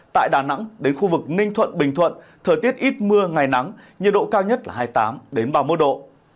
tại đà nẵng đến khu vực ninh thuận bình thuận thời tiết ít mưa ngày nắng nhiệt độ cao nhất là hai mươi tám ba mươi một độ